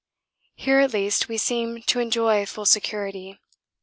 Here at least we seem to enjoy full security.